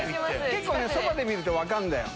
結構ねそばで見ると分かるんだよ。